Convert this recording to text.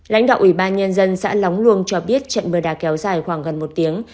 lãnh đạo ủy ban nhân dân xã lóng luông cho biết trận mưa đá kéo dài khoảng gần một tiếng